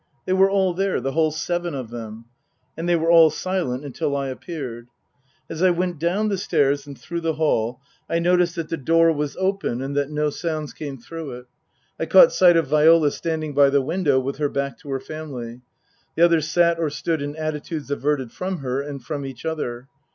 They were all there, the whole seven of them. And they were all silent until I appeared. As I went down the stairs and through the hall I noticed that the door was open and that no sounds came through it. I caught sight of Viola standing by the window with her back to her family ; the others sat or stood in attitudes averted from her and from each other.